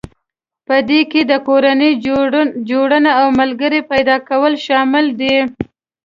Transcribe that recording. په دې کې د کورنۍ جوړونه او ملګري پيدا کول شامل دي.